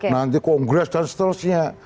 nanti kongres dan seterusnya